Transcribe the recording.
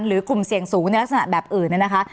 กลุ่มเสี่ยงสูงในลักษณะแบบอื่นเนี่ยนะคะ